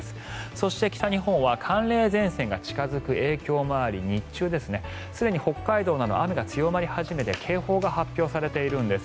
そして北日本は寒冷前線が近付く影響もあり日中、すでに北海道など雨が強まり始めて警報が発表されているんです。